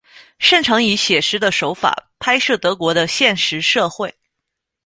擅长以写实的手法拍摄德国的现实社会。